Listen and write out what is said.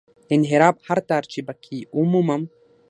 د انحراف هر تار چې په کې ومومم.